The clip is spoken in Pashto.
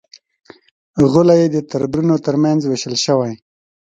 غولی یې د تربرونو تر منځ وېشل شوی.